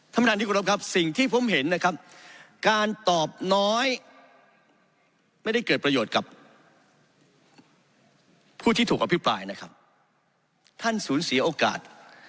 แต่สิ่งที่ผมเห็นนะครับการตอบน้อยไม่ได้เกิดประโยชน์กับผู้ที่ถูกกับพี่ปลายนะครับ